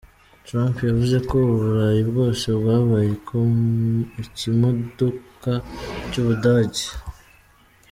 Trump yavuze ko u Burayi bwose bwabaye ikimodoka cy’u Budage’.